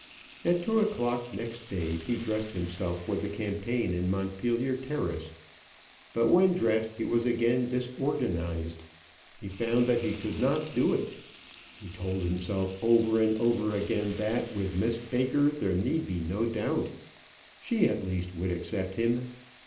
At two o'clock next day he dressed himself for the campaign in Montpellier Terrace; but when dressed he was again disorganised. He found that he could not do it. He told himself over and over again that with Miss Baker there need be no doubt; she, at least, would accept him.